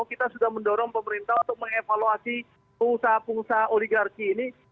kita sudah mendorong pemerintah untuk mengevaluasi pengusaha pengusaha oligarki ini